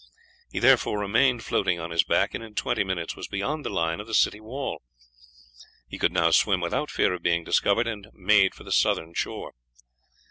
He therefore remained floating on his back, and in twenty minutes was beyond the line of the city wall. He could now swim without fear of being discovered, and made for the southern shore.